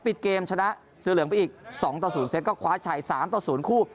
ปิดเกมชนะเสื้อเหลืองไปอีกสองต่อศูนย์เซ็ตก็คว้าชัยสามต่อศูนย์คู่